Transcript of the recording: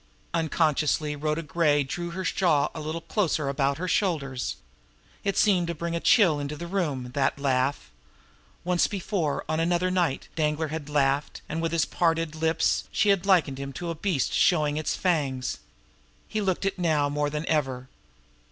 Unconsciously Rhoda Gray drew her shawl a little closer about her shoulders. It seemed to bring a chill into the room, that laugh. Once before, on another night, Danglar had laughed, and, with his parted lips, she had likened him to a beast showing its fangs. He looked it now more than ever.